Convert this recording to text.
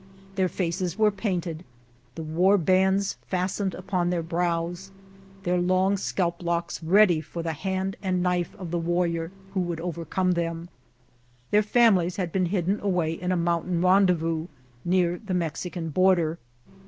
Their faces were painted, the war bands 2 fastened upon their brows, their long scalp locks 3 ready for the hand and knife of the warrior who could overcome them. Their families had been hidden away in a mountain rendezvous near the Mexican border.